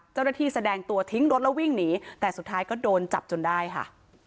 แสดงตัวทิ้งรถแล้ววิ่งหนีแต่สุดท้ายก็โดนจับจนได้ค่ะ